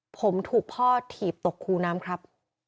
ผมถูกพ่อถีบตกคูน้ำครับ